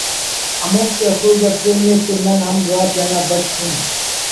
ہموفتیا سوج ہرفینے تو نن ہم راج انا بشخ اُن